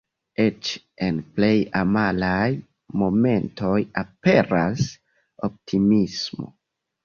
Eĉ en plej amaraj momentoj aperas optimismo.